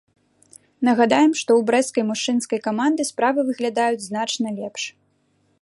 Нагадаем, што ў брэсцкай мужчынскай каманды справы выглядаюць значна лепш.